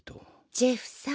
ジェフさん。